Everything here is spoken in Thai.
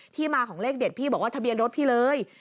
มาของเลขเด็ดพี่บอกว่าทะเบียนรถพี่เลย